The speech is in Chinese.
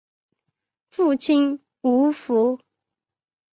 父亲吴甫。